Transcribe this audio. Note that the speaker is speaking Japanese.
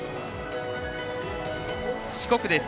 四国です。